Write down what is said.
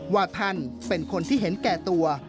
ว่าท่านเป็นคนที่เห็นแก่ตัว